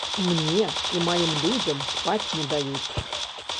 Мне і маім людзям спаць не даюць.